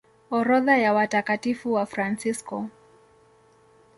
Orodha ya Watakatifu Wafransisko